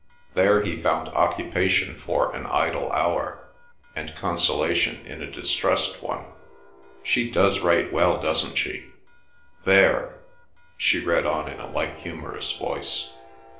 —'There he found occupation for an idle hour, and consolation in a distressed one.' She does write well, doesn't she? 'There—'" She read on in a light humorous voice.